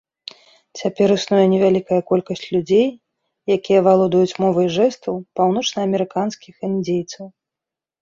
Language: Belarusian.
Цяпер існуе невялікая колькасць людзей, якія валодаюць мовай жэстаў паўночнаамерыканскіх індзейцаў.